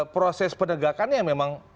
proses penegakannya memang